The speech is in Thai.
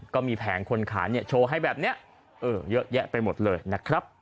ก็มีแผงคนขาโชว์ให้แบบนี้เยอะแยะไปหมดเลยนะครับ